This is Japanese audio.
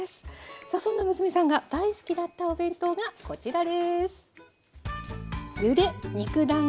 さあそんな娘さんが大好きだったお弁当がこちらです。